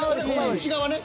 内側ね。